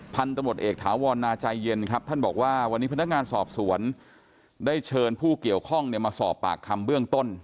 พี่ชายวันนี้ภนักงานสอบสวนได้เชิญผู้เกี่ยวข้องเนี่ยสอบปากคำเบื้องต้น